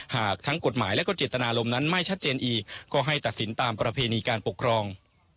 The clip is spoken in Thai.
หากทั้งกฎหมายและก็เจตนารมณนั้นไม่ชัดเจนอีกก็ให้ตัดสินตามประเพณีการปกครอง